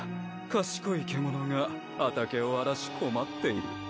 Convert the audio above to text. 賢い獣が畑を荒らし困っている